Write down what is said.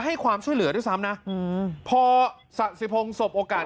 ให้ความช่วยเหลือด้วยซ้ำนะอืมพอสะสิพงศ์สบโอกาส